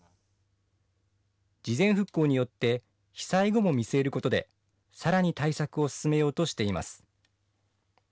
事前復興によって、被災後も見据えることで、さらに対策を進めようとしています。